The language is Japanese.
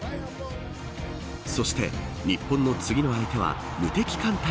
そして、日本の次の相手は無敵艦隊